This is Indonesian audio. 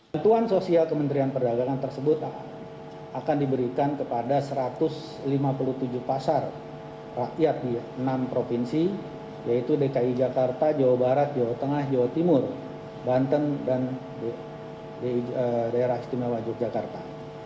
bantuan sosial kementerian perdagangan tersebut akan diberikan kepada satu ratus lima puluh tujuh pasar rakyat di enam provinsi yaitu dki jakarta jawa barat jawa tengah jawa timur banten dan daerah istimewa yogyakarta